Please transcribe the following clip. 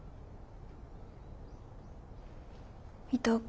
伊藤君